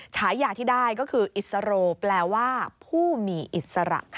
ฉายาที่ได้ก็คืออิสโรแปลว่าผู้มีอิสระค่ะ